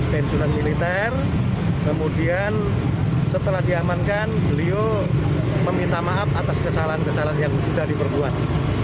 pensiunan militer kemudian setelah diamankan beliau meminta maaf atas kesalahan kesalahan yang sudah diperbuat